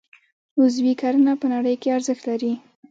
عضوي کرنه په نړۍ کې ارزښت لري